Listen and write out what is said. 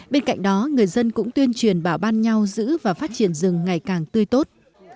bên cạnh đó người dân cũng tuyên truyền bảo ban nhau giữ và phát triển rừng ngày càng tươi tốt